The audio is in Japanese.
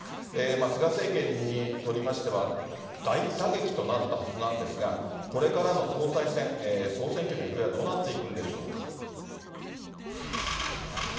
菅政権にとりましては、大打撃となったはずなんですが、これからの総裁選、総選挙の行方はどうなっていくんでしょうか。